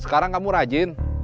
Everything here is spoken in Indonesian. sekarang kamu rajin